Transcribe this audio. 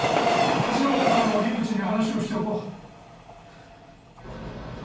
わしの方からも樋口に話をしておこう。